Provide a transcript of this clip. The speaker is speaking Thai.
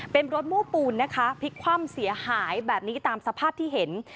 เป็นรถโม้ปูนนะคะพลิกคว่ำเสียหายแบบนี้ตามสภาพที่เห็น